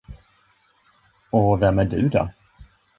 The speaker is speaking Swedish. Och vem är du då?